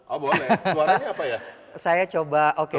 oh boleh suaranya apa ya